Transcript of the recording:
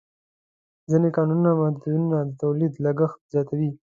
ځینې قانوني محدودیتونه د تولید لګښت زیاتوي.